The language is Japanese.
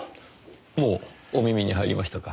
もうお耳に入りましたか。